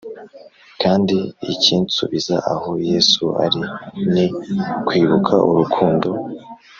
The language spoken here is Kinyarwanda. Kandi ikinsubiza aho yesu ari ni ukwibuka urukundo